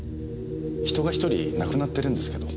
人が１人亡くなってるんですけど。